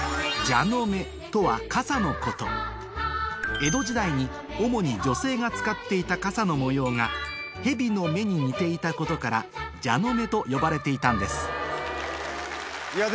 江戸時代に主に女性が使っていた傘の模様がヘビの目に似ていたことから「蛇の目」と呼ばれていたんですいや